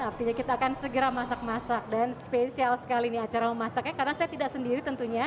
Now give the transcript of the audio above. artinya kita akan segera masak masak dan spesial sekali nih acara memasaknya karena saya tidak sendiri tentunya